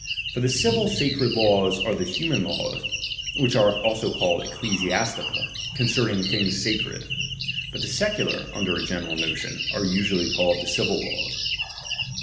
For the civil sacred laws are the human laws (which are also called ecclesiastical) concerning things sacred ; but the secular, under a general notion, are usually called the civil laws.